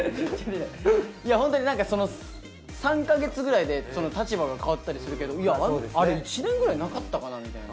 いやホントに３か月くらいで立場が変わったりするけどいやあれ１年くらいなかったかなみたいな。